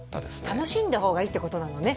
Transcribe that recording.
楽しんだ方がいいってことなのね